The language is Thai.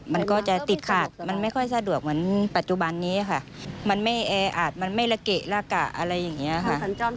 มันก็จะติดขาดมันไม่ค่อยสะดวกเหมือนปัจจุบันนี้ค่ะมันไม่แออาจมันไม่ละเกะละกะอะไรอย่างนี้ค่ะ